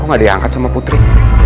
gak diangkat sama putri